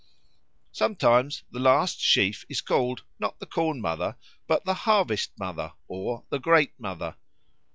Sometimes the last sheaf is called, not the Corn mother, but the Harvest mother or the Great Mother.